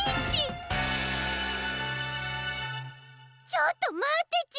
ちょっとまってち。